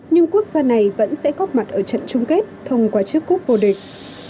nhưng quốc gia này vẫn sẽ góp mặt ở trận chung kết thông qua chiếc cúp vô địch